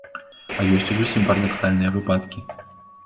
А ёсць і зусім парадаксальныя выпадкі.